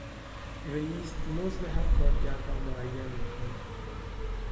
رئیس، مزد هر کارگر را معین می کند.